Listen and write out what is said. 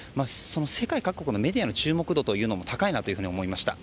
世界各国のメディアの注目度も高いなと思いました。